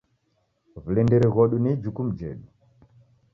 W'ulindiri ghodu ni ijukumu jhedu.